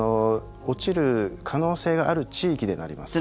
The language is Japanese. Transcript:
落ちる可能性がある地域で鳴ります。